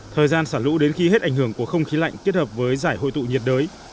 thời gian xả lũ đến khi hết ảnh hưởng của không khí lạnh kết hợp với giải hội tụ nhiệt đới